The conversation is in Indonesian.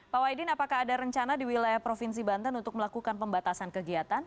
pak wahidin apakah ada rencana di wilayah provinsi banten untuk melakukan pembatasan kegiatan